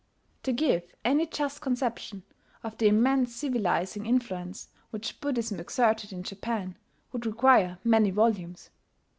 To give any just conception of the immense civilizing influence which Buddhism exerted in Japan would require many volumes.